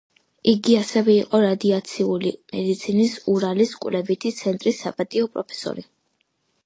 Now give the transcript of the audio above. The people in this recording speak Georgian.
იგი ასევე იყო რადიაციული მედიცინის ურალის კვლევითი ცენტრის საპატიო პროფესორი.